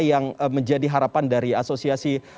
yang menjadi harapan dari asosiasi